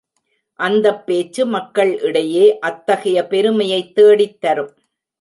அந்தப் பேச்சு மக்கள் இடையே அத்தகைய பெருமையைத் தேடித் தரும்.